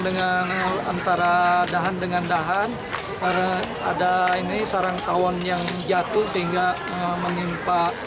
dengan antara dahan dengan dahan ada ini sarang tawon yang jatuh sehingga menimpa